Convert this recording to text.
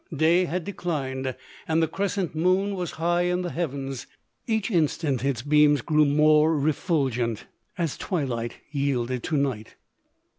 Day had declined, and the crescent moon was high in the heavens : each instant its beams grew more refulgent, as twilight yielded to night.